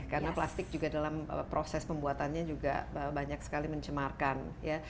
karena plastik juga dalam proses pembuatannya juga banyak sekali mencemarkan ya